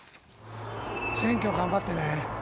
選挙頑張ってね。